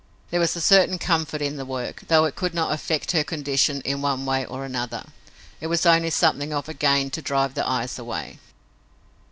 There was a certain comfort in the work, though it could not affect her condition in one way or another. It was only something of a gain to drive the eyes away.